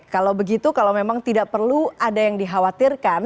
kalau begitu kalau memang tidak perlu ada yang dikhawatirkan